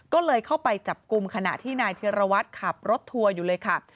ก็เลยเข้าไปจับกลุ่มขณะที่นายธิรวัตรขับรถทัวร์อยู่เลยค่ะ